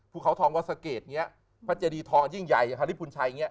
ภูเขาทองวัสเกษเนี่ยพระเจดีทองยิ่งใหญ่ฮาริปุ่นชัยเนี่ย